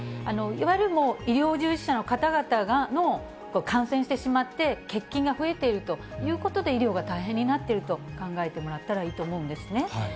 いわゆる医療従事者の方々の、感染してしまって、欠勤が増えているということで、医療が大変になっていると考えてもらったらいいと思うんですね。